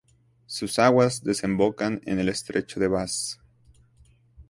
Sus aguas desembocan en el estrecho de Bass.